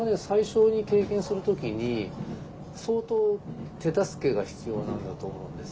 最初に経験する時に相当手助けが必要なんだと思うんですよね。